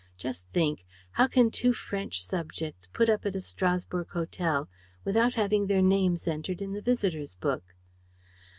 Just think: how can two French subjects put up at a Strasburg hotel without having their names entered in the visitors' book?